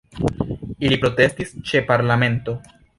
Ili protestis ĉe parlamento.